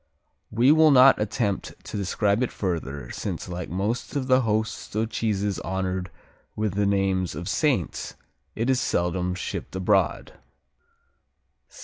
We will not attempt to describe it further, since like most of the host of cheeses honored with the names of Saints, it is seldom shipped abroad.